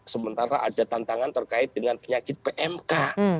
sementara ada tantangan terkait dengan penyakit pmk